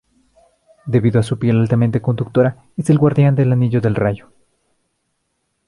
Debido a su piel altamente conductora es el guardián del anillo del rayo.